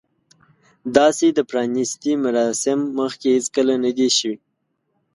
داسې د پرانیستې مراسم مخکې هیڅکله نه دي شوي.